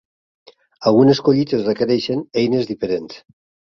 Algunes collites requereixen eines diferents.